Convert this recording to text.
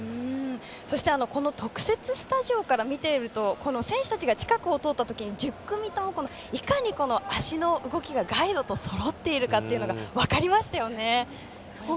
そしてこの特設スタジオから見ていると選手たちが近くを通ったときに１０組とも、いかに足の動きがガイドとそろっているかが分かりましたよね。